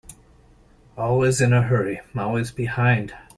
Always in a hurry, always behind.